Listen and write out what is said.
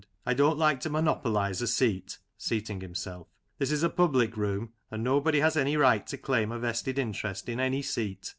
I don't like to monopolise a seat (seating himself) ; this is a public room, and nobody has any right to claim a vested interest in any seat.